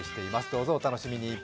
どうぞお楽しみに。